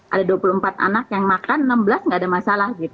ada dua puluh empat anak yang makan enam belas nggak ada masalah